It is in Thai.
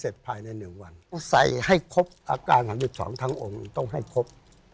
ใช่ครับ